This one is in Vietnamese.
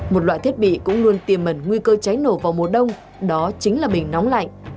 một loại thiết bị cũng luôn tiềm mẩn nguy cơ cháy nổ vào mùa đông đó chính là bình nóng lạnh